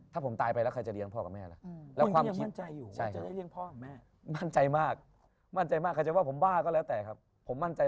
ถ้าผมตายไปแล้วใครจะเลี้ยงพ่อกับแม่ล่ะ